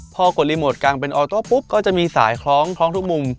พอกดรีโมทกลางเป็นออโต้ปุ๊บก็จะมีสายคล้องทุกมุม